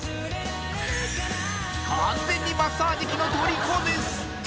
完全にマッサージ機の虜です